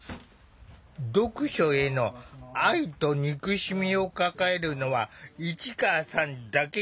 読書への愛と憎しみを抱えるのは市川さんだけじゃない。